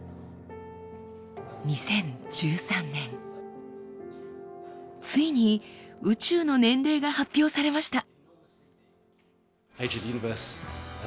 ２０１３年ついに宇宙の年齢が発表されました。